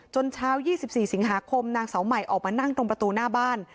เช้า๒๔สิงหาคมนางเสาใหม่ออกมานั่งตรงประตูหน้าบ้าน